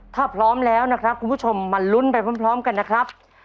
ถ้าพร้อมแล้วนะครับคุณผู้ชมมาลุ้นไปพร้อมกันนะครับ